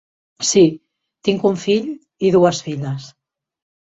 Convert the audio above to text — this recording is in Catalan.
Sí, tinc un fill i dues filles.